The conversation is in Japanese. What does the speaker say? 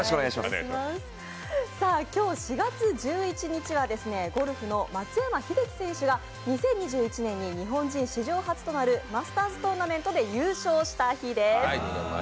今日、４月１１日はゴルフの松山英樹選手が２０２１年に日本人史上初となるマスターズ・トーナメントで優勝した日です。